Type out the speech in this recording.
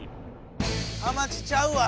ハマチちゃうわ。